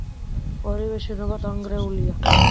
ორივე შენობა დანგრეულია.